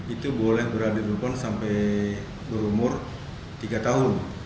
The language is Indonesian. itu boleh berada di rukun sampai berumur tiga tahun